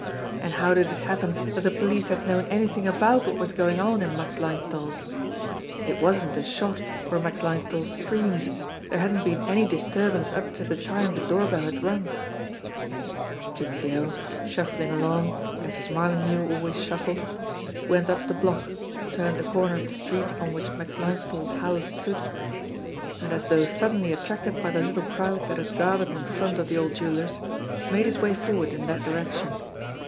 And how did it happen that the police had known anything about what was going on in Max Linesthal's ? It wasn't the shot or Max Linesthal's screams there hadn't been any disturbance up to the time the doorbell had rung ! Jimmie Dale, shuffling along, as Smarlinghue always shuffled, went up the block, turned the corner of the street on which Max Linesthal's house stood and as though sud denly attracted by the little crowd that had gathered in front of the old jeweller's, made his way forward in that direction.